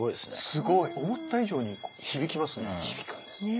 すごい。思った以上に響きますね。